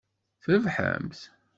Trebḥemt?